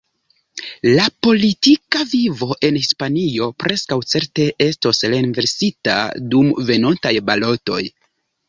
La politika vivo en Hispanio preskaŭ certe estos renversita dum venontaj balotoj.